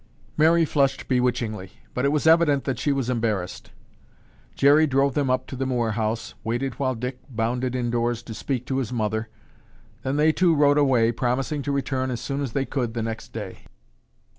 Mary flushed bewitchingly, but it was evident that she was embarrassed. Jerry drove them up to the Moore house, waited while Dick bounded indoors to speak to his mother, then they two rode away, promising to return as soon as they could the next day.